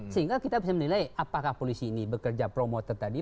sehingga kita bisa menilai apakah polisi ini bekerja promoter tadi